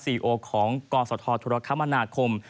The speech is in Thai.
ซีเอโอของกศธุรกรรมนาคม